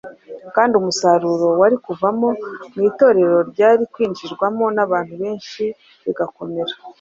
kandi umusaruro wari kuvamo ni uko Itorero ryari kwinjirwamo n’abantu benshi rigakomera.